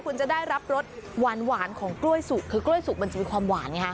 คุณจะได้รับรสหวานของกล้วยสุกคือกล้วยสุกมันจะมีความหวานไงฮะ